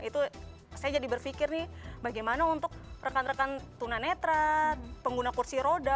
itu saya jadi berpikir nih bagaimana untuk rekan rekan tunanetra pengguna kursi roda